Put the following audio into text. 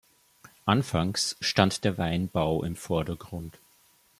Anfangs stand der Weinbau im Vordergrund.